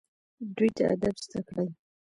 دوی ته ادب زده کړئ